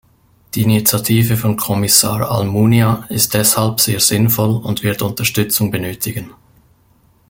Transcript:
Die Initiative von Kommissar Almunia ist deshalb sehr sinnvoll und wird Unterstützung benötigen.